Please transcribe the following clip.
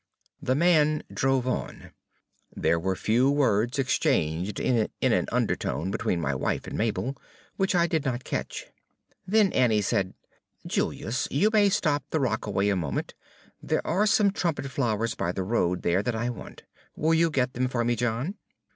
The man drove on. There were a few words exchanged in an undertone between my wife and Mabel, which I did not catch. Then Annie said: "Julius, you may stop the rockaway a moment. There are some trumpet flowers by the road there that I want. Will you get them for me, John?"